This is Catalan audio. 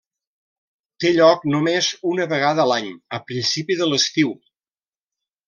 Té lloc només una vegada a l'any, a principi de l'estiu.